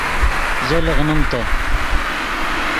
زو لیغنیم تے